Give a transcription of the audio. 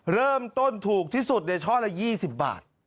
เริ่มต้นถูกที่สุดในช่อละ๒๐บาท